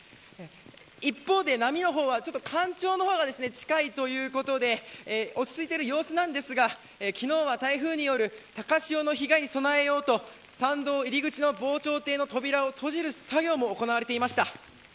一方で、波の方は干潮の方が近いということで落ち着いている様子なんですが昨日は、台風による高潮の被害に備えようと参道入り口の防潮堤の扉を閉じる作業も行われていました。